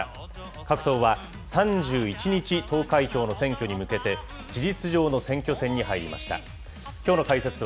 各党は、３１日投開票の選挙に向けて、事実上の選挙戦に入りました。